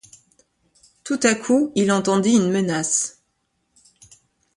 Tout à coup il entendit une menace.